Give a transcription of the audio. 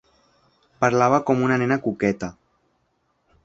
Parlava com una nena coqueta.